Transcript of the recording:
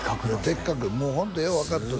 的確もうホントよう分かっとる